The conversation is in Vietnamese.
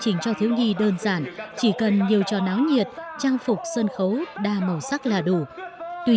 trình cho thiếu nhi đơn giản chỉ cần nhiều trò náo nhiệt trang phục sân khấu đa màu sắc là đủ tuy